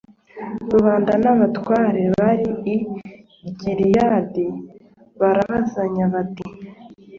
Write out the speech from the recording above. rubanda n'abatware bari i gilihadi barabazanya bati